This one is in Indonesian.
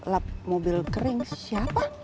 lap mobil kering siapa